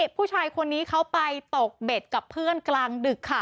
ผู้ชายคนนี้เขาไปตกเบ็ดกับเพื่อนกลางดึกค่ะ